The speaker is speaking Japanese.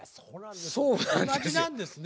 同じなんですね